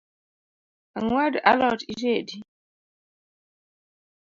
Ang’wed a lot itedi?